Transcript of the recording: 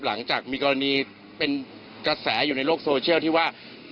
หลังจากมีกรณีเป็นกระแสอยู่ในโลกโซเชียลที่ว่า